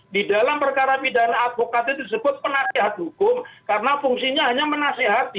di dalam perkara pidana advokatnya tersebut penasihat hukum karena fungsinya hanya menasihati